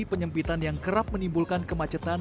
penyempitan yang kerap menimbulkan kemacetan